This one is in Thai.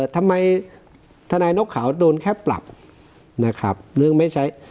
ทนายนกขาวโดนแค่ปรับนะครับเรื่องไม่ใช้